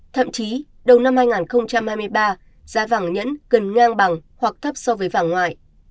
thậm chí đầu năm hai nghìn hai mươi ba giá vàng nhẫn cần ngang bằng hoặc thấp so với vàng ngoại